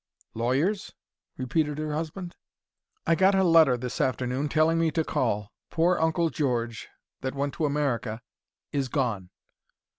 "Lawyer's?" repeated her husband. "I got a letter this afternoon telling me to call. Poor Uncle George, that went to America, is gone."